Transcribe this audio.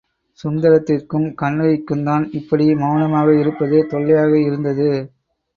சுந்தரத்திற்கும், கண்ணகிக்குந்தான் இப்படி மெளனமாக இருப்பது தொல்லையாக இருந்தது.